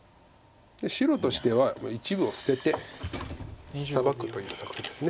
白としては一部を捨ててサバくという作戦です。